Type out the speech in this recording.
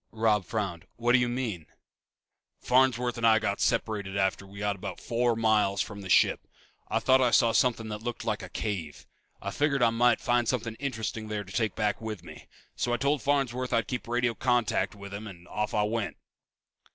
Robb frowned. "What do you mean?" "Farnsworth and I separated after we got about four miles from the ship. I thought I saw something that looked like a cave. I figured I might find something interesting there to take back with me. So I told Farnsworth I'd keep radio contact with him and off I went."